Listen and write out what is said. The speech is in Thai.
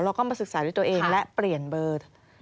แล้วก็มาศึกษาด้วยตัวเองและเปลี่ยนเบอร์